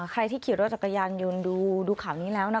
ใครที่เขียนว่าจักรยานยืนดูข่าวนี้แล้วนะ